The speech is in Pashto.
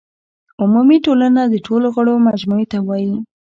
عمومي ټولنه د ټولو غړو مجموعې ته وایي.